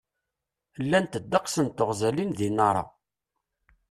Llant ddeqs n teɣzalin di Nara.